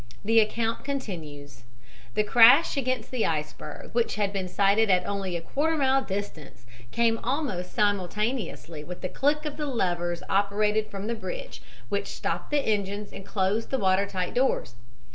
The account continues: "The crash against the iceberg, which had been sighted at only a quarter mile distance, came almost simultaneously with the click of the levers operated from the bridge, which stopped the engines and closed the water tight doors.